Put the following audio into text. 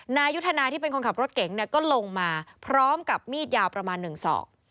นายุทธนาที่เป็นคนขับรถเก๋งเนี่ยก็ลงมาพร้อมกับมีดยาวประมาณ๑ศอก